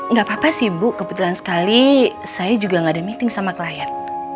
nggak apa apa sih bu kebetulan sekali saya juga gak ada meeting sama klien